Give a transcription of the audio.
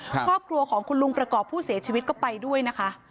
ครอบครัวของคุณลุงประกอบผู้เสียชีวิตก็ไปด้วยนะคะ